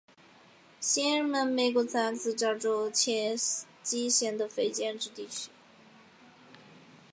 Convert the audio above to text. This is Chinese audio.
谢尔曼为美国堪萨斯州切罗基县的非建制地区。